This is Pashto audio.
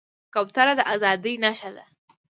کوتره د ازادۍ نښه ده.